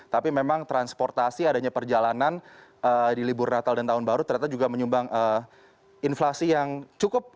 tapi memang transportasi adanya perjalanan di libur natal dan tahun baru ternyata juga menyumbang inflasi yang cukup